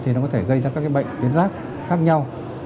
thì nó có thể gây ra các bệnh tuyến giáp khác nhau